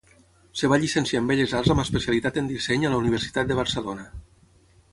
Es va llicenciar en Belles Arts amb especialitat en disseny a la Universitat de Barcelona.